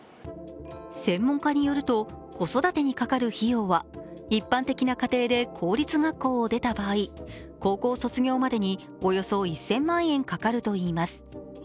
専門家によると子育てにかかる費用は一般的な家庭で公立学校を出た場合、高校卒業までにおよそ１０００万円かかるといいます。